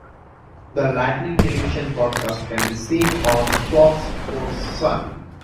The Lightning television broadcasts can be seen on Fox Sports Sun.